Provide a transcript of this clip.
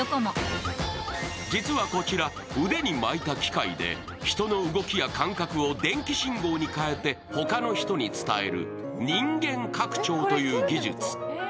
実はこちは腕に巻いた機械で人の動きや感覚を電気信号に変えてほかの人に伝える人間拡張という技術。